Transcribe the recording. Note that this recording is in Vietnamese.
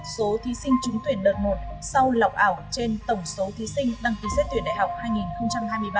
chín mươi hai bảy số thí sinh trúng tuyển đợt một sau lọc ảo trên tổng số thí sinh đăng ký xét tuyển đại học hai nghìn hai mươi ba